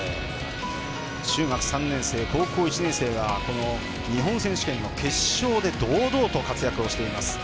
中学３年生、高校１年生が日本選手権の決勝で堂々と活躍をしています。